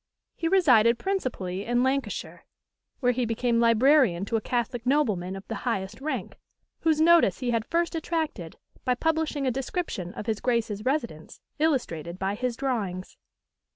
He resided principally in Lancashire, where he became librarian to a Catholic nobleman of the highest rank, whose notice he had first attracted by publishing a description of his Grace's residence, illustrated by his drawings.